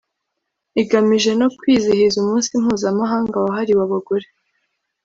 igamije no kwizihiza Umunsi Mpuzamahanga wahariwe Abagore